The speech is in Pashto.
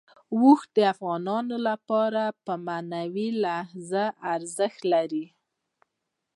اوښ د افغانانو لپاره په معنوي لحاظ ارزښت لري.